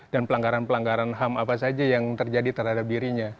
dan pelanggaran pelanggaran ham apa saja yang terjadi terhadap dirinya